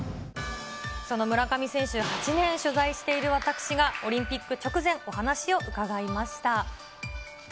その村上選手、８年取材している私が、オリンピック直前、お話を伺いました。